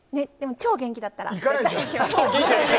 超元気だったら？